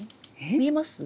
見えます？え？